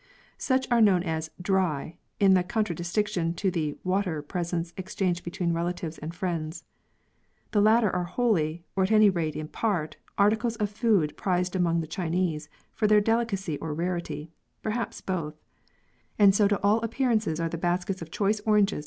Such are known as dry, in contradistinction to the water presents exchanged between relatives and friends. The latter are wholly, or at any rate in part, articles of food prized among the Chinese for their delicacy or rarity, perhaps both ; and so to all appearance are the baskets of choice oranges, &c.